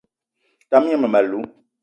Tam gne mmem- alou